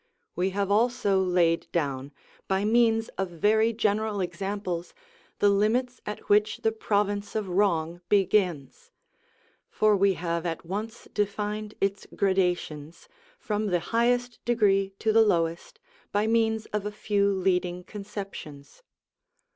We have also laid down, by means of very general examples, the limits at which the province of wrong begins; for we have at once defined its gradations, from the highest degree to the lowest, by means of a few leading conceptions.